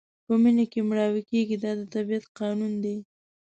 په مني کې مړاوي کېږي دا د طبیعت قانون دی.